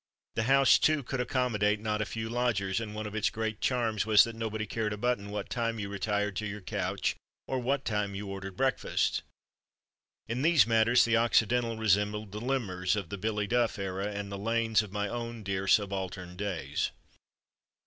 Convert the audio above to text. The house, too, could accommodate not a few lodgers; and one of its great charms was that nobody cared a button what time you retired to your couch, or what time you ordered breakfast. In these matters, the Occidental resembled the "Limmer's" of the "Billy Duff" era, and the "Lane's" of my own dear subaltern days.